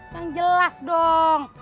yang jelas dong